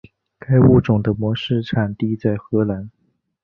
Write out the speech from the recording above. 该物种的模式产地在荷兰。